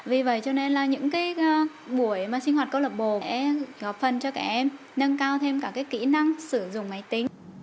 vì vậy những buổi sinh hoạt câu lạc bộ sẽ góp phần cho các em nâng cao thêm kỹ năng sử dụng máy tính